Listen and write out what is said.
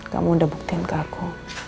kamu udah buktiin ke aku